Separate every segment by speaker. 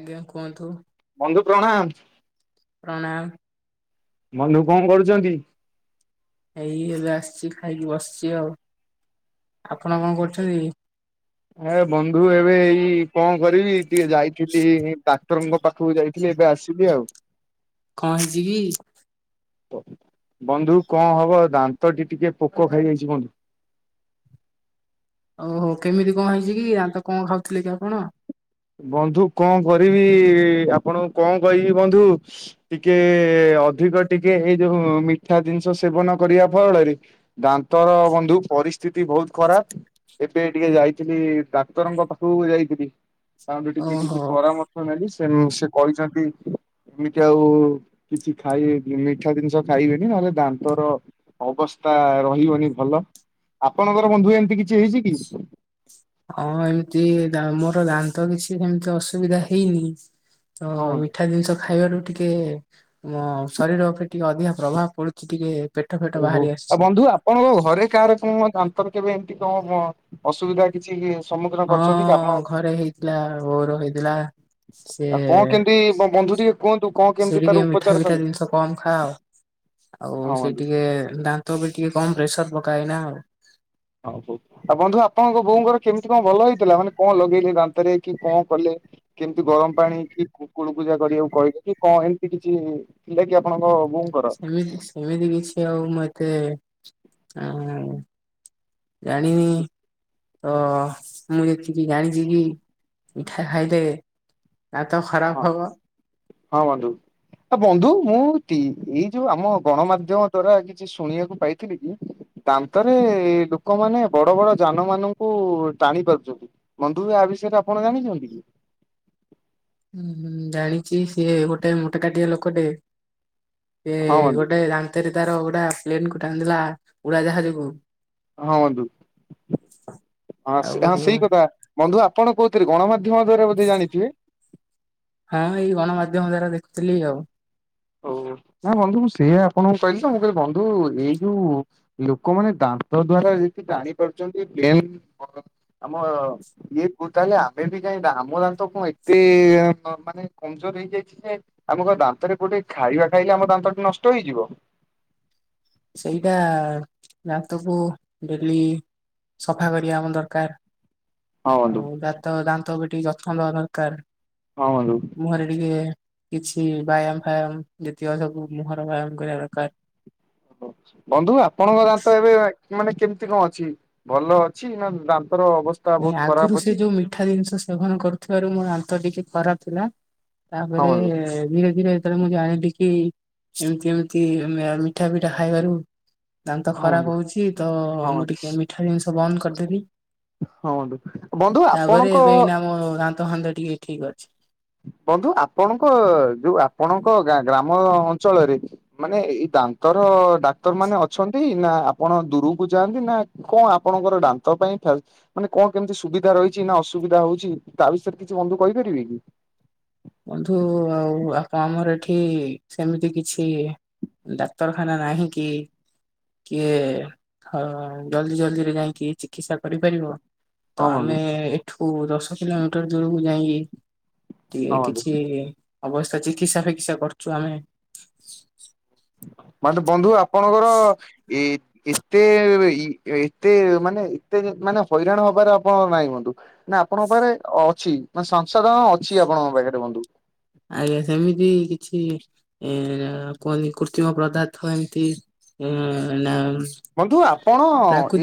Speaker 1: ଆଜ୍ଞା କୁହନ୍ତୁ।
Speaker 2: ବନ୍ଧୁ ପ୍ରଣାମ।
Speaker 1: ପ୍ରଣାମ।
Speaker 2: ବନ୍ଧୁ କଣ କରୁଚନ୍ତି?
Speaker 1: ଏଇ ଏବେ ଆସିଚି ଖାଇକି ବସିଚି ଆଉ। ଆପଣ କଣ କରୁଚନ୍ତି?
Speaker 2: ଏ ବନ୍ଧୁ ଏବେ ଏଇ କଣ କରିବି ଟିକେ ଯାଇଚୁ ଟିକେ ଏଇ ଡା କ୍ତର ଙ୍କ ପାଖକୁ ଯାଇଥିଲି ଏବେ ଆସିଲି ଆଉ।
Speaker 1: କଣ ହେଇଚି କି?
Speaker 2: ବନ୍ଧୁ କଣ ହବ ଦାନ୍ତଟି ଟିକେ ପୋକ ଖାଇଯାଇଚି ବନ୍ଧୁ।
Speaker 1: ଓହୋ କେମିତି କଣ ହେଇଚି କି ଦାତ କଣ ଖାଉଥିଲେ କି ଆପଣ?
Speaker 2: ବନ୍ଧୁ କଣ କରିବି ଆପଣଙ୍କୁ କଣ କହିବି ବନ୍ଧୁ ଟିକେ ଅଧିକ ଟିକେ ଏଇ ଯୋଉ ମିଠା ଜିନିଷ ସେବନ କରିବା ଫଳରେ ଦାନ୍ତର ବନ୍ଧୁ ପରିସ୍ଥିତି ବହୁତ ଖରାପ। ଏବେ ଟିକେ ଯାଇଥିଲି ଡାକ୍ତରଙ୍କ ପାଖକୁ ଯାଇଥିଲି। ତାଙ୍କ ଠୁ ଟିକେ
Speaker 1: ଓହୋ
Speaker 2: କିଛି ପରାମର୍ଶ ନେଲି ସେ ସେ କହିଚନ୍ତି ଏମିତି ଆଉ କିଛି ଖାଇ ମିଠା ଜିନିଷ ଖାଇବେନି ନହେଲେ ଦାନ୍ତର ଅବସ୍ଥା ରହିବନି ଭଲ, ଆପଣଙ୍କର ବନ୍ଧୁ ଏମିତି କିଛି ହେଇଚି କି?
Speaker 1: ହଁ ଏମତି ଦା ମୋର ଦାନ୍ତ କିଛି ସେମିତି ଅସୁବିଧା ହେଇନି ତ
Speaker 2: ହଁ ବନ୍ଧୁ।
Speaker 1: ମିଠା ଜିନିଷ ଖାଇବାରୁ ଟିକେ ଅ ଶରୀର ଉପରେ ଟିକେ ଅଧିକା ପ୍ରଭାବ ପଡୁ ଚି ଟିକେ ପେଟ ଫେଟ ବାହାରି ଆସିଚି।
Speaker 2: କଣ ତମ ଘରେ କାହାର କଣ ଦାନ୍ତର କେବେ ଏମିତି କଣ କଣ ଅସୁବିଧା କିଛି ସମ୍ମୁଖୀନ କରିଚନ୍ତି କି ଆପଣ
Speaker 1: ଥିଲା ବୋଉର ହେଇଥିଲା। ସେ
Speaker 2: କଣ କେମିତି ବନ୍ଧୁ ଟିକେ କୁହନ୍ତୁ କଣ
Speaker 1: ସେ
Speaker 2: କେମିତି ତାର
Speaker 1: ଟିକେ ମିଠା
Speaker 2: ଉପଚାର
Speaker 1: ଫିଠା
Speaker 2: କଲେ?
Speaker 1: ଜିନିଷ କମ ଖା ଆଉ। ଆଉ
Speaker 2: ହଁ
Speaker 1: ସେ
Speaker 2: ବନ୍ଧୁ
Speaker 1: ଟିକେ ଦାନ୍ତ ଉପରେ ଟିକେ କମ ପ୍ରେସର ପକାଏ ନା ଆଉ।
Speaker 2: [unintelligible] ଆଉ ବନ୍ଧୁ ଆପଣଙ୍କ ବୋଉଙ୍କର କେମିତି କଣ ଭଲ ହେଇଥିଲା ମାନେ କଣ ଲଗେଇଲେ ଦାନ୍ତରେ କି କଣ କଲେ? କେମିତି ଗରମ ପାଣି କିୁ କୂଳ କୁଚା କରିବାକୁ କହିଥିଲେ କି କଣ ଏମିତି କିଛି ଥିଲାକି ଆପଣଙ୍କ ବୋଉ
Speaker 1: ସେମିତି ସେମିତି କିଛି ଆଉ ମୁଁ ଏତେ ଅ ଜାଣିନି। ତ ମୁଁ ଯେତିକି ଜାଣିଚି କି ମିଠା ଖାଇଲେ ଦାନ୍ତ
Speaker 2: ହଁ
Speaker 1: ଖରାପ ହବ।
Speaker 2: ହଁ ବନ୍ଧୁ। ଆ ବନ୍ଧୁ ମୁଁ ଟି ଏଇ ଯୋଉ ଆମ ଗଣମାଧ୍ୟମ ଦ୍ଵାରା କିଛି ଶୁଣିବାକୁ ପାଇଥିଲି କି ଦାନ୍ତରେ ଲୋକମାନେ ବଡ ବଡ ଯାନ ମାନଙ୍କୁ ଟାଣି ପାରୁଚନ୍ତି। ବନ୍ଧୁଏ ଆ ବିଷୟରେ ଆପଣ ଜାଣିଚନ୍ତି କି?
Speaker 1: ଉଁ ଜାଣିଚି ସିଏ ଗୋଟେ ମୋଟା କାଟିଆ ଲୋକ ଟେ ଏ
Speaker 2: ହଁ ବନ୍ଧୁ
Speaker 1: ଗୋଟେ ଦାନ୍ତରେ ତାର ଗୋଟେ ପ୍ଲେନ କୁ ଟାଣିଦେଲା ଉଡା ଜାହାଜକୁ।
Speaker 2: ହଁ ବନ୍ଧୁ, ହଁ ସେ ହଁ ସେଇ କଥା ବନ୍ଧୁ ଆପଣ କୋଉଥିରେ ଗଣମାଧ୍ୟମରେ [unintelligible]
Speaker 1: ହଁ ଏଇ ଗଣମାଧ୍ୟମ ଦ୍ଵାରା ଦେଖୁଥିଲି ଆଉ
Speaker 2: ଓ ନା ବନ୍ଧୁ ମୁ ସେୟା ଆପଣଙ୍କୁ କହିଲି ତ ମୁଁ କହିଲି ବନ୍ଧୁ ଏଇ ଯୋଉ ଲୋକମାନେ ଦାନ୍ତ ଦ୍ଵାରା ଯେ ଜାଣି ପାରୁଛନ୍ତି [unintelligible] ଇଏ କୁ ତାହେଲେ ଆମେ ବି ଜାଣିବା ଆମର ତ କଣ ଏତେ ମାନେ କମଜୋର ହେଇଯାଇଛି ଯେ ଆମ କଣ ଦାନ୍ତରେ କଣଟେ ଖାଇବା ଖାଇଲେ ଆମ ଦାନ୍ତଟି ନଷ୍ଟ ହେଇଯିବ।
Speaker 1: ସେଇଟା ଆ ଦାନ୍ତ କୁ ଡେଲି ସଫା କରିବା ଆମ ଦରକାର।
Speaker 2: ହଁ ବନ୍ଧୁ।
Speaker 1: ଆଉ ଦାନ୍ତ ଦାନ୍ତ ବି ଟିକେ ଯତ୍ନ ନବା ଦରକାର।
Speaker 2: ହଁ ବନ୍ଧୁ।
Speaker 1: ମୁହଁରେ ଟିକେ କିଛି ବ୍ୟାୟାମ ଫ୍ୟାୟାମ ଯେତିକ ସବୁ ମୁହର ବ୍ୟାୟାମ କରିବା ଦରକାର।
Speaker 2: ବନ୍ଧୁ ଆପଣଙ୍କ ଦାନ୍ତ ଏବେ ମାନେ କେମିତି କଣ ଅଛି ଭଲ ଅଛି ନା ଦାନ୍ତର ଅବସ୍
Speaker 1: ନାଇଁ ଆଗରୁ ସେ ଯୋଉ ମିଠା ଜିନିଷ ସେବନ କରୁଥିବାରୁ ମୋର ଦାନ୍ତ ଟିକେ ଖରାପ ଥିଲା
Speaker 2: ହଁ
Speaker 1: ତାପରେ
Speaker 2: ବନ୍ଧୁ।
Speaker 1: ଧୀରେ ଧୀରେ ତାପରେ ମୁଁ ଜାଣିଲି କି ଏମତି ଏମିତି ମିଠା ପିଠା ଖାଇବାରୁ ଦାନ୍ତ
Speaker 2: ହଁ ବନ୍ଧୁ
Speaker 1: ଖରାପ ହଉଛି ତ ଅ
Speaker 2: ହଁ
Speaker 1: ମୁଁ ଟିକେ ମିଠା ଜିନିଷ ବନ୍ଦ କରିଦେବି।
Speaker 2: ହଁ ବନ୍ଧୁ ବନ୍ଧୁ ଆପଣଙ୍କ?
Speaker 1: ଏବେ ଏଇନା ମୋ ଦାନ୍ତ ଦାନ୍ତ ଫାନ୍ତ ଟିକେ ଠିକ ଅଛି।
Speaker 2: ବନ୍ଧୁ ଆପଣଙ୍କ ଯୋଉ ଆପଣଙ୍କ ଗାଁ ଗ୍ରାମ ଅଞ୍ଚଳରେ ମାନେ ଏଇ ଦାନ୍ତର ଡାକ୍ତର ମାନେ ଅଛନ୍ତି ନା ଆପଣ ଦୂରକୁ ଯାଆନ୍ତି ନା କଣ ଆପଣଙ୍କର ଦାନ୍ତ ପାଇଁ ଫ୍ୟା ମାନେ କଣ କେମିତି ସୁବିଧା ରହିଛି ନା ଅସୁବିଧା ହଉଛି ତା ବିଷୟରେ କିଛି ବନ୍ଧୁ କହିପାରିବେ କି?
Speaker 1: ବନ୍ଧୁ ଆଉ ଆପ ଆମର ଏଠି ସେମିତି କିଛି ଇ ଡାକ୍ତରଖାନା ନାହିଁ କି କିଏ ହଁ ଜଲ୍ଦି ଜଲଦିରେ ଯାଇକି ଚିକିତ୍ସା କରିପାରିବ। ତ
Speaker 2: ହଁ
Speaker 1: ଆମେ
Speaker 2: ବନ୍ଧୁ
Speaker 1: ଏଠୁ ଦଶ କିଲୋମିଟର ଦୂରକୁ ଯାଇକି ଟିକେ
Speaker 2: ହଁ ବନ୍ଧୁ।
Speaker 1: କିଛି ଅବସ୍ଥା ଚିକିତ୍ସା ଫିକିତ୍ସା କରୁଛୁ ଆମେ।
Speaker 2: ମାନେ ବନ୍ଧୁ ଆପଣଙ୍କର ଏଇ ଏତେ ଏତେ ମାନେ ଏତେ ମାନେ ହଇରାଣ ହବାର ଆପଣ ନାହିଁ ବନ୍ଧୁ। ନା ଆପଣଙ୍କ ପାଖରେ ଅଛି ମାନେ ସଂସୋଧନ ଅଛି ଆପଣଙ୍କ ପାଖରେ ବନ୍ଧୁ।
Speaker 1: ଆଜ୍ଞା ସେମିତି କିଛି ଏ କୁହନ୍ତି କୃତ୍ରିମ ପଦାର୍ଥ ଏମିତି ହୁଁ [unintelligible]
Speaker 2: ବନ୍ଧୁ ଆପଣ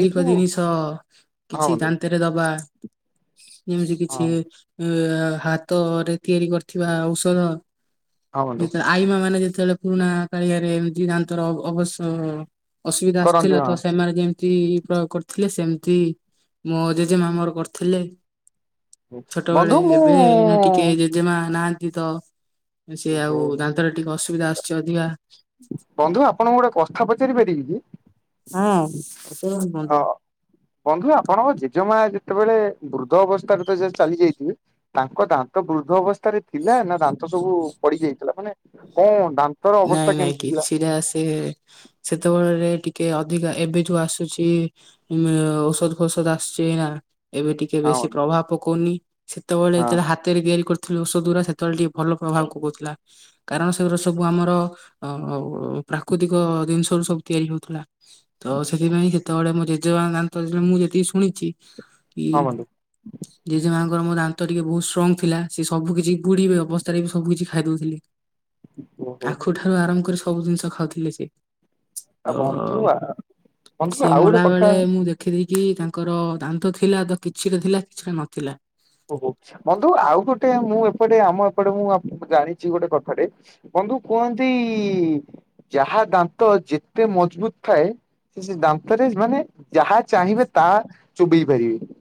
Speaker 2: ଏଇ ଯୋଉ
Speaker 1: ଜିନିଷ ଅ
Speaker 2: ହଁ
Speaker 1: କିଛି
Speaker 2: ବନ୍ଧୁ।
Speaker 1: ଦାନ୍ତ ରେ ଦବା ଯେମିତି
Speaker 2: ହଁ।
Speaker 1: କିଛି ଏ ହାତରେ ତିଆରି କରିଥିବା ଔଷଧ
Speaker 2: ହଁ ବନ୍ଧୁ।
Speaker 1: ଯେତେବେଳେ ଆଇମା ମାନେ ଯେତେବେଳେ ପୁରୁଣା କାଳିଆରେ ଏମିତି ଦାନ୍ତର ଅବଶ୍ୟ ଅସୁବିଧା
Speaker 2: କରନ୍ତି
Speaker 1: ଆସିଥିଲା
Speaker 2: ହଁ
Speaker 1: ତ ସେମାନେ ଯେମିତି କି ପ୍ରୟୋଗ କରିଥିଲେ ସେମିତି ମୋ ଜେଜେମା ମୋର କରିଥିଲେ। ଛୋଟବେଳେ
Speaker 2: ବନ୍ଧୁ ମୁଁ
Speaker 1: ଯେବେ ଏଇନା ଟିକେ ଜେମା ନାହାନ୍ତି ତ ସେ
Speaker 2: ଓହୋ
Speaker 1: ଆଉ ଦାନ୍ତରେ ଟିକେ ଅସୁବିଧା ଆସୁଛି ଅଧିକା
Speaker 2: ବନ୍ଧୁ ଆପଣଙ୍କୁ ଗୋଟେ କଥା ପଚାରି ପାରିବି କି?
Speaker 1: ହଁ ପଚାରନ୍ତୁ
Speaker 2: ଅ
Speaker 1: ବନ୍ଧୁ।
Speaker 2: ବନ୍ଧୁ ଆପଣଙ୍କ ଜେଜେମା ଯେତେବେଳେ ବୃଦ୍ଧ ଅବସ୍ଥାରେ ତ ଚାଲି ଯାଇଥିବେ ତାଙ୍କ ଦାନ୍ତ ବୃଦ୍ଧ ଅବସ୍ଥାରେ ଥିଲା ନା ଦାନ୍ତ ସବୁ ପଡି ଯାଇଥିଲା ମାନେ କଣ ଦାନ୍
Speaker 1: ନାଇଁ ନାଇଁ କିଛିଟା ସେ ସେତେବେଳେରେ ଟିକେ ଅଧିକା ଏବେ ଯଉ ଆସୁଚି ଉଁ- ଔଷଧ ଫଉଷଦ୍ ଆସୁଚି ଏଇନା ଏବେ ଟିକେ
Speaker 2: ହଁ
Speaker 1: ବେଶୀ ପ୍ରଭାବ ପକଉନି ସେତେବେଳେ ଯେତେବେଳେ ହାତରେ ତିଆରି କରୁଥିଲୁ ଔଷଧ ଗୁରା ସେତେବେଳେ ଟିକେ ଭଲ ପ୍ରଭାବ ପକଉଥିଲା କାରଣ ସେଗୁରା ସବୁ ଆମର ଅ- ପ୍ରାକୃତିକ ଜିନିଷ ର ସବୁ ତିଆରି ହଉଥିଲା। ତ ସେଥିପାଇଁ ସେତେବେଳେ ମୋ ଜେଜେମା ଦାନ୍ତ ମୁଁ ଯେତିକି ଶୁଣିଚି କି
Speaker 2: ବନ୍ଧୁ
Speaker 1: [inaudible] ଜେଜେମା ଙ୍କର ମ ଦାନ୍ତ ଟିକେ ବହୁତ ଷ୍ଟ୍ରଙ୍ଗ ଥିଲା ସେ ସବୁ କିଛି ବୁଢୀ ଅବସ୍ଥାରେ ବି ସବୁ କିଛି ଖାଇଦଉଥିଲି।
Speaker 2: ହଁ ହଁ ବନ୍ଧୁ ଓହୋ
Speaker 1: ଆଖୁଠାରୁ ଆରାମ୍ଭ କରି ସବୁ ଜିନିଷ ଖାଉଥିଲେ ସେ।
Speaker 2: ଆ
Speaker 1: ତ
Speaker 2: ବନ୍ଧୁ ବନ୍ଧୁ
Speaker 1: ସିଏ
Speaker 2: ଆଉ ଗୋଟେ
Speaker 1: ମଲା
Speaker 2: କଥା
Speaker 1: ବେଳେ ମୁଁ ଦେଖ୍ ରଖିଦେଇକି ତାଙ୍କର ଦାନ୍ତ ଥିଲା ତ କିଛିରେ ଥିଲା କିଛିରେ ନଥିଲା।
Speaker 2: ଓହୋ ବନ୍ଧୁ ଆଉ ଗୋଟେ ମୁଁ ଏପଟେ ଆମ ଏପଟେ ମୁଁ ଜାଣିଚି ଗୋଟେ କଥାଟେ ବନ୍ଧୁ କୁହନ୍ତି ଯାହା ଦାନ୍ତ ଯେତେ ମଜବୁତ୍ ଥାଏ ସେ ଦାନ୍ତରେ ମାନେ ଯାହା ଚାହିଁବେ ତାହା ଚୋବେଇ ପାରିବେ।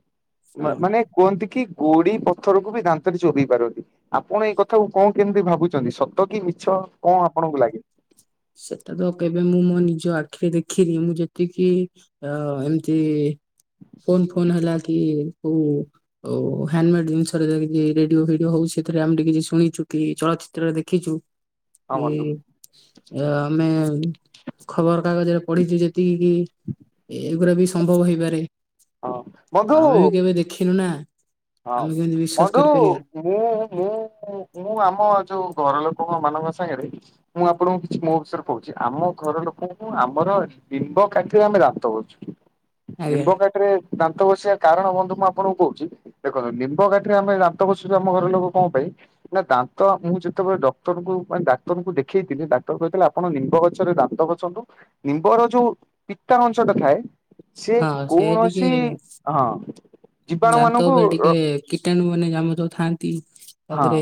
Speaker 1: ହଁ
Speaker 2: ମା-ମାନେ କୁହନ୍ତି କି ଗୋଡି ପଥରକୁ ବି ଦାନ୍ତରେ ଚୋବେଇ ପାରନ୍ତି। ଆପଣ ଏଇ କଥାକୁ କଣ କେମିତି ଭାବୁଚନ୍ତି ସତ କି ମିଛ କଣ ଆପଣଙ୍କୁ ଲାଗେ?
Speaker 1: ସେଟା ତ କେବେ ମୁଁ ମୋ ନିଜ ଆଖିରେ ଦେଖିନି ମୁଁ ଯେତିକି ଅ- ଏମିତି ଫୋନ୍ -ଫୋନ୍ ହେଲା କି କଉ ଆଉ ହ୍ୟାଣ୍ଡମେଡ୍ ଜିନିଷରେ ରେଡିଓ ଭିଡିଓ ହଉଚି ସେଥିରେ ଆମେ ଟିକେ ଟିକେ କିଛି ଶୁଣିଚୁ କି ଚଳଚିତ୍ରରେ ଦେଖିଚୁ।
Speaker 2: ହଁ ବନ୍ଧୁ।
Speaker 1: ଏ-ଆମେ ଖବର କାଗଜରେ ପଢିଚୁ ଯେତିକି କିି ଏଗୁରା ବି ସମ୍ଭବ ହେଇପାରେ
Speaker 2: ହଁ ବନ୍ଧୁ
Speaker 1: ତ ଆମେ ବି କେବେ ଦେଖିନୁ ନା।
Speaker 2: ହଁ
Speaker 1: ଆମେ କେମିତି ବିଶ୍ବାସ
Speaker 2: ବନ୍ଧୁ
Speaker 1: କରିପାରିବା।
Speaker 2: ମୁଁ- ମୁଁ- ମୁଁ ଆମ ଯଉ ଘର ଲୋକ ମାନଙ୍କ ସାଙ୍ଗେରେ ମୁଁ ଆପଣଙ୍କୁ କିଛି ମୋ ବିଷୟରେ କହୁଚି ଆମ ଘର ଲୋକଙ୍କୁ ଆମର ଏ ନିମ୍ବ କାଠିରେ ଆମେ ଦାନ୍ତ ଘଷିଚୁ।
Speaker 1: ଆଜ୍ଞା
Speaker 2: ଲିମ୍ବ କାଠିରେ ଦାନ୍ତ ଘସିବା କାରଣ ବନ୍ଧୁ ମୁଁ ଆପଣଙ୍କୁ କହୁଚି ଦେଖନ୍ତୁ ନିମ୍ବ କାଠି ଆମେ ଦାନ୍ତ ଘସୁଚୁ ଆମ ଘର ଲୋକ କଣ ପାଇଁ ନା ଦାନ୍ତ ମୁଁ ଯେତେବେଳେ ଡକ୍ଟରଙ୍କୁ ମାନେ ଡାକ୍ତରଙ୍କୁ ଦେଖେଇଥିଲି ଡାକ୍ତର କହିଥିଲା ଆପଣ ନିମ୍ବ ଗଛରେ ଦାନ୍ତ ଘସନ୍ତୁ ନିମ୍ବର ଯଉ ପିତା ଅଂଶ ଟା ଥାଏ ସିଏ
Speaker 1: ହଁ ସେ
Speaker 2: କୌଣସି
Speaker 1: ଟିକେ
Speaker 2: ହଁ ଜୀବାଣୁ ମାନଙ୍କୁ
Speaker 1: ଇଏ କୀଟାଣୁ ମାନେ ଆମ ଯଉ ଥାଆନ୍ତି ତା
Speaker 2: ହଁ
Speaker 1: ଦେହରେ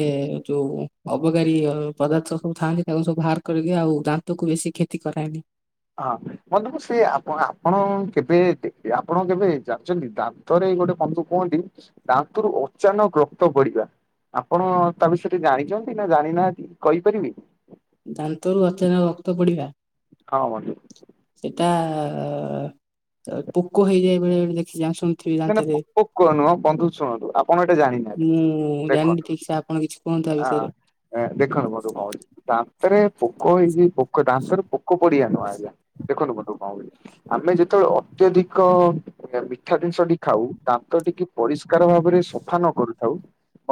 Speaker 1: ଯଉ ଅବକାରୀ ପଦାର୍ଥ ସବୁ ଥାଆନ୍ତି ତାକୁ ସବୁ ବାହାର କରିକି ଆଉ ଦାନ୍ତକୁ ବେଶୀ କ୍ଷତି କରାଏନି।
Speaker 2: ହଁ ମତେ ସେ ଆପଣ- ଆପଣ କେବେ ଆପଣ କେବେ ଯାଚନ୍ତି‌ ଆ ଥରେ ଗୋଟେ ବନ୍ଧୁ କୁହନ୍ତି ଦାନ୍ତରୁ ଅଚାନକ୍ ରକ୍ତ ପଡିବା ଆପଣ ତା ବିଷୟରେ ଜାଣିଚନ୍ତି ନା ଜାଣି ନାହାନ୍ତି କହିପାରିବେ?
Speaker 1: ଦାନ୍ତରୁ ଅଚାନକ୍ ରକ୍ତ ପଡିବା
Speaker 2: ହଁ ବନ୍ଧୁ।
Speaker 1: ସେଟା ପୋକ ହେଇଯାଏ ବେଳେବଳେ ଦେଖି ଜା- ଶୁଣି ସିଏ
Speaker 2: ନା ନା
Speaker 1: ଜାଣିଥିବେ
Speaker 2: ପୋକ ନୁହଁ ବନ୍ଧୁ ଶୁଣନ୍ତୁ ଆପଣ ଏଇଟା ଜାଣିନାହାନ୍ତି
Speaker 1: ମୁଁ ଜାଣିନି ଠିକ୍ ସେ ଆପଣ କିଛି କୁହନ୍ତୁ ତା ବିଷୟରେ।
Speaker 2: ହଁ ଦେଖନ୍ତୁ ବନ୍ଧୁ କଣ ହଉଚି ଦାନ୍ତରେ ପୋକ ଏଇ ପୋକ ଦାନ୍ତରେ ପୋ କୋ ପଡିଆ ନୁହଁ ଆଜ୍ଞା ଦେଖନ୍ତୁ ମୁଁ ତମକୁ କଣ କହୁଛି ଆମେ ଯେତେବେଳେ ଅତ୍ୟଧିକ ମିଠା ଜିନିଷ ଟି ଖାଉ ଦାନ୍ତ ଟିକେ ପରିଷ୍କାର ଭାବରେ ସଫା ନ କରୁଥାଉ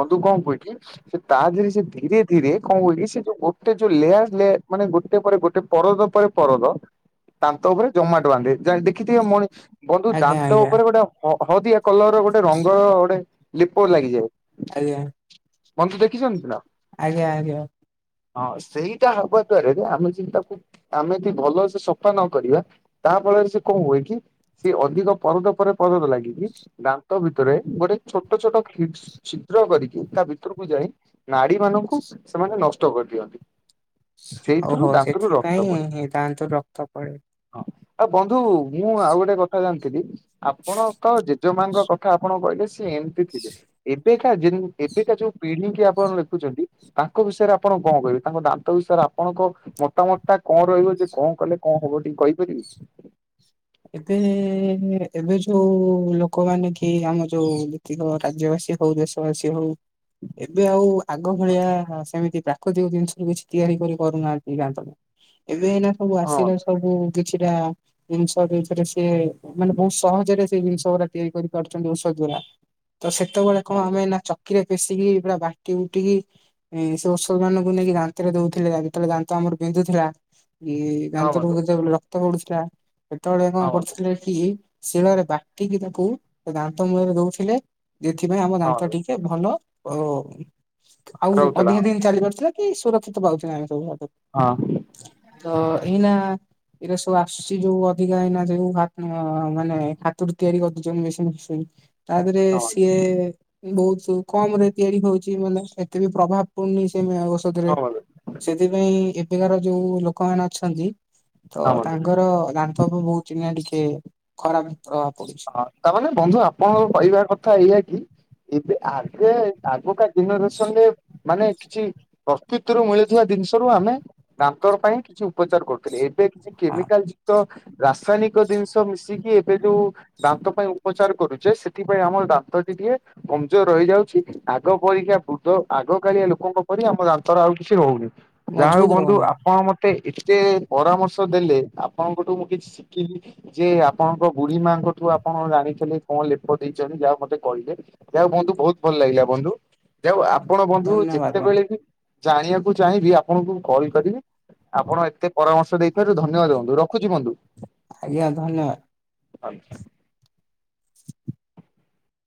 Speaker 2: ବନ୍ଧୁ କଣ ହୁଏ କି ସେ ତା ଦେହରେ ସେ ଧୀରେ ଧୀରେ କଣ ହୁଏକି ସେ ଯୋଉ ଗୋଟେ ଯୋଉ ଲେୟାର୍ ଲେୟାର ମାନେ ଗୋଟେ ପରେ ଗୋଟେ ପରଦ ପରେ ପରଦ ଦାନ୍ତ ଉପରେ ଜମାଟ ବାନ୍ଧେ ଯେମିତି ଦେଖିଥିବେ ମଣି ବନ୍ଧୁ
Speaker 1: ଆଜ୍ଞା
Speaker 2: ଦାନ୍ତ
Speaker 1: ଆଜ୍ଞା
Speaker 2: ଉପରେ ଗୋଟେ ହ ହଳଦିଆ କଲର ଗୋଟେ ରଙ୍ଗ ଗୋଟେ ଲିପ ଲାଗିଯାଏ
Speaker 1: ଆଜ୍ଞା।
Speaker 2: ବନ୍ଧୁ ଦେଖିଛନ୍ତି ନା?
Speaker 1: ଆଜ୍ଞା ଆଜ୍ଞା।
Speaker 2: ହଁ ସେଇଟା ହବା ଦ୍ଵାରା ଯେ ଆମେ ଯେମିତି ତାକୁ ଆମେ ଯଦି ଭଲସେ ସଫା ନ କରିବା ତାହା ଫଳରେ ସେ କଣ ହୁଏ କି ସିଏ ଅଧିକ ପରଦ ପରେ ପରଦ ଲାଗିକି ଦାନ୍ତ ଭିତରେ ଗୋଟେ ଛୋଟ ଛୋଟ କ୍ଲିପ୍ସ ଛିଦ୍ର କରିକି ତା ଭିତରକୁ ଯାଇ ନାଡି ମାନଙ୍କୁ ସେମାନେ ନଷ୍ଟ କରିଦିଅନ୍ତି।
Speaker 1: ଓହୋ
Speaker 2: ସେଇଥିରୁ ଦାନ୍ତରୁ ରକ୍ତ ପଡେ।
Speaker 1: ସେଥିପାଇଁ ଦାନ୍ତରୁ ରକ୍ତ ପଡେ।
Speaker 2: ହଁ ଆଉ ବନ୍ଧୁ ମୁଁ ଆଉ ଗୋଟେ କଥା ଜାଣିଥିଲି ଆପଣ ତ ଜେଜେମାଙ୍କ କଥା ଆପଣ କହିଲେ ସିଏ ଏମିତି ଥିଲେ। ଏବେକା ଯେ ଏବେକା ଯୋଉ ପିଢିଙ୍କି ଆପଣ ଦେଖୁଛନ୍ତି ତାଙ୍କ ବିଷୟରେ ଆପଣ କଣ କହିବେ ତାଙ୍କ ଦାନ୍ତ ବିଷୟରେ ଆପଣଙ୍କ ମତାମତ ଟା କଣ ରହିବ ଯେ କଣ କଲେ କଣ ହବ ଟିକେ କହିପାରିବେ?
Speaker 1: ଏବେ ଏବେ ଯୋଉ ଲୋକମାନେ କି ଆମେ ଯୋଉ ଯେତିକ ରାଜ୍ୟବାସୀ ହଉ ଦେଶବାସୀ ହଉ ଏବେ ଆଉ ଆ ଆଗ ଭଳିଆ ସେମିତି ପ୍ରାକୃତିକ ଜିନିଷରୁୁ କିଛି ତିଆରି କରି ପାରୁନାହାଁନ୍ତି ଦାନ୍ତ ପାଇଁ ଏବେ ‌ହେନେ ସବୁ
Speaker 2: ହଁ
Speaker 1: ଆସିଲା ସବୁ କିଛିଟା [unintelligible] ସିଏ ମାନେ ବହୁତ ସହଜରେ ସେଇ ଜିନିଷ ଗୁରା ତିଆରି କରିପାରୁଛନ୍ତି ଔଷଧ ଦ୍ଵାରା। ତ ସେତେବେଳେ କଣ
Speaker 2: ହଁ ବନ୍ଧୁ
Speaker 1: ଆମେ ନା ଚକିରେ ପେଶିକି ପୁରା ବାଟି ବୁଟିକି ସେ ଔଷଧ ମାନଙ୍କୁ ନେଇକି ଦାନ୍ତରେ ଦଉଥିଲେ ଯେତେବେଳେ ଦାନ୍ତ ଆମର ବିନ୍ଧୁଥିଲା। ଏଇ
Speaker 2: ହଁ
Speaker 1: ଦାନ୍ତରୁ
Speaker 2: ବନ୍ଧୁ
Speaker 1: ଯେତେବେଳେ ରକ୍ତ ପଡୁଥିଲା ସେତେବେଳେ କଣ
Speaker 2: ହଁ ବନ୍ଧୁ
Speaker 1: କରୁଥିଲେ କି ଶିଳରେ ବାଟିକି ତାକୁ ଦାନ୍ତ ମୁଳରେ ଦଉଥିଲେ ଯେଥିପାଇଁ ଆମ ଦାନ୍ତଟି ଏ ଭଲ ଓ ଆଉ
Speaker 2: ରହୁଥିଲା
Speaker 1: ଅଧିକା ଦିନି ଚାଲି ପାରୁଥିଲେ। ଏ ସୁରକ୍ଷିତ ପାଉଛେ ଆମେ ସବୁ ଆଗକୁ।
Speaker 2: ହଁ।
Speaker 1: ତ ଏଇନା ଏଇରା ସବୁ ଆସୁଛି ଯୋଉ ଅ ଅବିକା ଏଇନା ଯୋଉ ଆପଣ ମ ମାନେ ହାତରୁ ତିଆରି କରିଦଉଚେ ମେସିନ୍ ଫେସିନ ତା ଧେରେ
Speaker 2: ହଁ
Speaker 1: ସିଏ ବହୁତ କମରେ ତିଆରି ହଉଛି ମାନେ ଏତେ ବି ପ୍ରଭାବ ପଡୁନି ସେ ମେ ଔଷଧରେ।
Speaker 2: ହଁ ବନ୍ଧୁ
Speaker 1: ସେଥିପାଇଁ ଏବେକାର ଯୋଉ ଲୋକମାନେ ଅଛନ୍ତି ତ
Speaker 2: ହଁ ବନ୍ଧୁ ହଁ ବନ୍ଧୁ।
Speaker 1: ତାଙ୍କର ଦାନ୍ତ [unintelligible] ଚି ନା ଟିକେ ଖରାପ ପ୍ରଭାବ ପଡୁଛି।
Speaker 2: ଅ ତାମାନେ ବନ୍ଧୁ ଆପଣଙ୍କ କହିବା କଥା ଏଇଆ କି ଏବେ ଆଗେ ଆଗକା ଯେନେରେସନ ରେ ମାନେ କିଛି ପ୍ରସ୍ତୁତିରୁ ମିଳୁଥିବା ଜିନିଷରୁ ଆମେ ଦାନ୍ତ ପାଇଁ କିଛି ଉପଚାର କରୁଥିଲେ ଏ ଏବେ କିଛି
Speaker 1: ହଁ
Speaker 2: କେମିକାଲ ଯୁକ୍ତ ରାସାୟନିକ ଜିନିଷ ମିଶିକି ଏବେ ଯୋଉ ଦାନ୍ତ ପାଇଁ ଉପଚାର କରୁଛେ ସେଥିପାଇଁ ଆମ ଦାନ୍ତଟି ଟିକେ କମଜୋର ରହିଯାଉଛି। ଆଗ ପରୀକା ବୃଦ୍ଧ ଆଗ କାଳିଆ ଲୋକଙ୍କ ପରି ଆମ ଦାନ୍ତର ଆଉ କିଛି ରହୁନି। ଯାହା ହଉ
Speaker 1: ମଜବୁତ
Speaker 2: ବନ୍ଧୁ
Speaker 1: ରହୁନି
Speaker 2: ଆ ଆପଣ ମତେ ଏତେ ପରାମର୍ଶ ଦେଲେ ଆପଣଙ୍କଠୁ ମୁଁ କିଛି ଶିଖିଲି। ଯେ ଆପଣଙ୍କ ବୁଢୀ ମାଙ୍କଠୁ ଆପଣ ଜାଣିଥିଲେ କଣ ଲେପ ଦେଇଛନ୍ତି ଯାହା ହୋଉ ମତେ କହିଲେ। ଯାହା ହୋଉ ବନ୍ଧୁ ବହୁତ ଭଲ ଲାଗିଲା ବନ୍ଧୁ ଯା ହେଉ ଆପଣ ବନ୍ଧୁ
Speaker 1: ଧନ୍ୟବାଦ ବନ୍ଧୁ
Speaker 2: ଯେତେବେଳେ ବି ଜାଣିବାକୁ ଚାହିଁବି ଆପଣଙ୍କୁ ମୁଁ କହି ପାରିବି। ଆପଣ ଏତେ ପରାମର୍ଶ ଦେଇଥିବାରୁ ଧନ୍ୟବାଦ ବନ୍ଧୁ ରଖୁଛି ବୁନ୍ଧୁ।
Speaker 1: ଆଜ୍ଞା ଧନ୍ୟବାଦ।
Speaker 2: ଆମଚ୍ଛା